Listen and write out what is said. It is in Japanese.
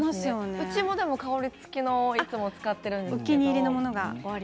うちも香りつきのものを使っているんです。